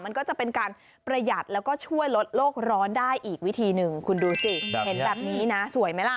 มันก็จะเป็นการประหยัดแล้วก็ช่วยลดโลกร้อนได้อีกวิธีหนึ่งคุณดูสิเห็นแบบนี้นะสวยไหมล่ะ